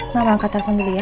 mama angkat telepon dulu ya